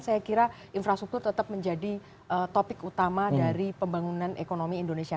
saya kira infrastruktur tetap menjadi topik utama dari pembangunan ekonomi indonesia